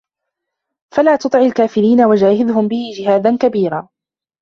فَلا تُطِعِ الكافِرينَ وَجاهِدهُم بِهِ جِهادًا كَبيرًا